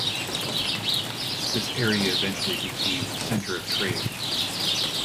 This area eventually became a center of trade.